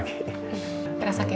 bukan baru lagi